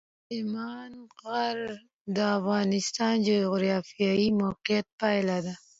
سلیمان غر د افغانستان د جغرافیایي موقیعت پایله ده.